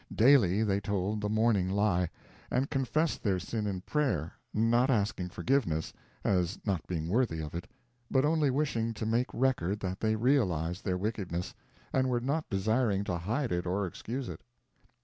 Daily they told the morning lie, and confessed their sin in prayer; not asking forgiveness, as not being worthy of it, but only wishing to make record that they realized their wickedness and were not desiring to hide it or excuse it.